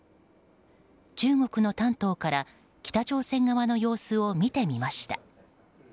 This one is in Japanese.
中国の丹東から北朝鮮側の様子を見てみました。